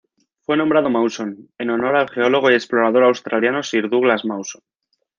Fue nombrado Mawson en honor al geólogo y explorador australiano Sir Douglas Mawson.